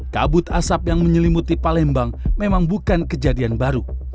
kabut asap yang menyelimuti palembang memang bukan kejadian baru